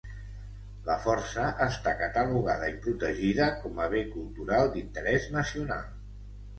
La Força està catalogada i protegida com a Bé Cultural d'Interès Nacional.